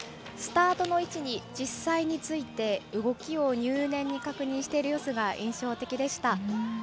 スタートの位置に実際について動きを入念に確認している様子が印象的でした。